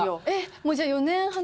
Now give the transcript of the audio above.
もうじゃあ４年離れて。